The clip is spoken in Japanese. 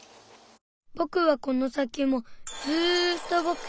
ぼくはこの先もずっとぼく。